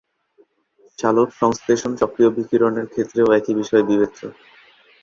সালোকসংশ্লেষণ সক্রিয় বিকিরণের ক্ষেত্রেও একই বিষয় বিবেচ্য।